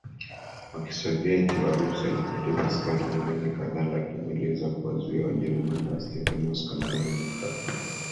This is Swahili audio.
wa KisovyetiWarusi walipoteza askari milioni kadhaa lakini waliweza kuwazuia Wajerumani wasiteke Moscow na Leningrad